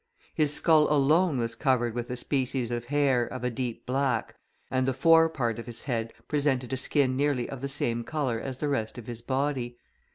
His skull alone was covered with a species of hair, of a deep black, and the fore part of his head presented a skin nearly of the same colour as the rest of his body.